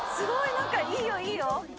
なんかいいよいいよ。